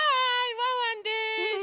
ワンワンです。